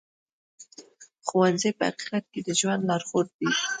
ښوونکی په حقیقت کې د ژوند لارښود دی.